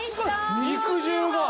肉汁が！